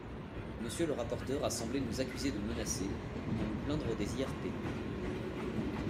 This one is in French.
Monsieur le rapporteur a semblé nous accuser de menacer, ou de nous plaindre des IRP.